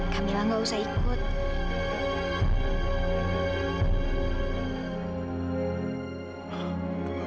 kamila nggak usah ikut